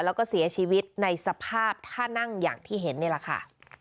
แล้วก็เสียชีวิตในสภาพท่านั่งอย่างที่เห็นนี่แหละค่ะ